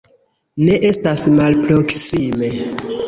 Ne estas malproksime.